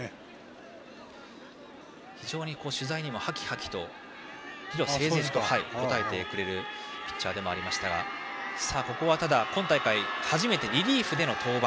非常に取材にも、はきはきと理路整然に答えてくれるピッチャーでもありましたが今大会初めてリリーフでの登板。